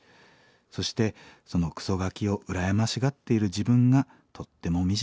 そしてそのクソガキを羨ましがっている自分がとっても惨めです。